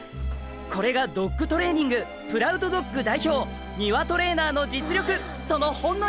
これがドッグトレーニング「プラウドドッグ」代表丹羽トレーナーの実力そのほんの一部です！